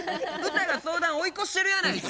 歌が相談追い越してるやないか。